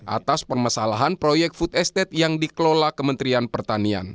atas permasalahan proyek food estate yang dikelola kementerian pertanian